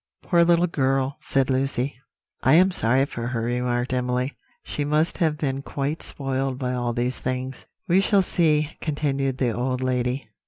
"Poor little girl!" said Lucy. "I am sorry for her," remarked Emily; "she must have been quite spoiled by all these things." "We shall see," continued the old lady.